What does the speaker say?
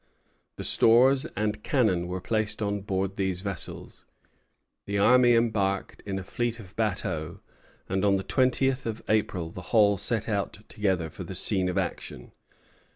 The stores and cannon were placed on board these vessels, the army embarked in a fleet of bateaux, and on the twentieth of April the whole set out together for the scene of action.